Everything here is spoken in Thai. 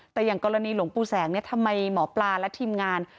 แต่อย่างกรณีหลวงปู่แสงเนี่ยทำไมหมอปลาและทีมงาน